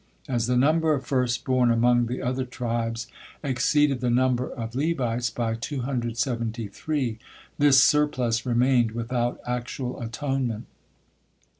As the number of first born among the other tribes exceeded the number of Levites by two hundred seventy three, this surplus remained without actual atonement.